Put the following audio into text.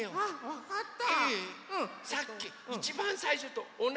わかった。